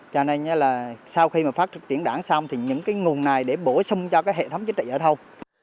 cho nên là sau khi mà phát triển đảng xong thì những cái nguồn này để bổ sung cho cái hệ thống chính trị ở đâu